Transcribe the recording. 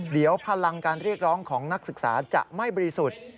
เดี๋ยวพลังการเรียกร้องของนักศึกษาจะไม่บริสุทธิ์